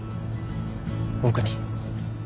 僕に。